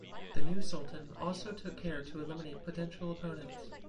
The new Sultan also took care to eliminate potential opponents.